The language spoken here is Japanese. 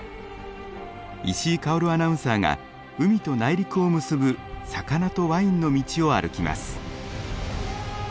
石井かおるアナウンサーが海と内陸を結ぶ魚とワインの道を歩きます。